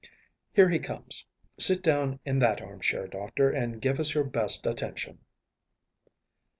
Here he comes. Sit down in that armchair, Doctor, and give us your best attention.